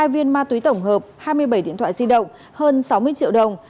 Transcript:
hai mươi viên ma túy tổng hợp hai mươi bảy điện thoại di động hơn sáu mươi triệu đồng